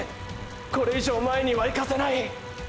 これ以上前には行かせない！！